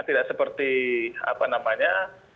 tidak seperti apa namanya